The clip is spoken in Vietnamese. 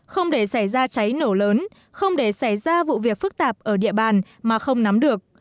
không để xảy ra cháy nổ lớn không để xảy ra vụ việc phức tạp ở địa bàn mà không nắm được